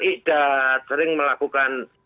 ida sering melakukan